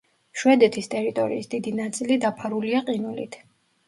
შვედეთის ტერიტორიის დიდი ნაწილი დაფარულია ყინულით.